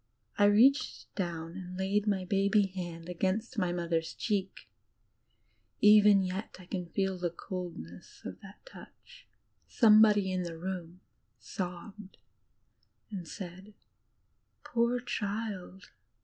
I reached down and laid my baby hand against Mother's cheek. Even yet I can DigilizedbyLTOOgle feel the coldness of thai touch. Somebody in the room sobbed and said, "Poor child."